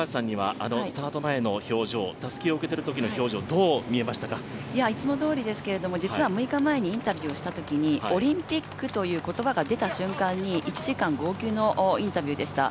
スタート前の表情、たすきを受け取るときの表情、いつもどおりですけど、実は６日前にインタビューしたときにオリンピックという言葉が出たあとに１時間号泣のインタビューでした。